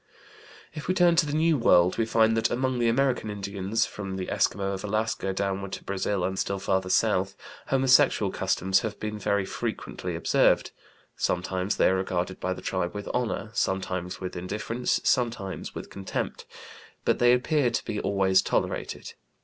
If we turn to the New World, we find that among the American Indians, from the Eskimo of Alaska downward to Brazil and still farther south, homosexual customs have been very frequently observed. Sometimes they are regarded by the tribe with honor, sometimes with indifference, sometimes with contempt; but they appear to be always tolerated.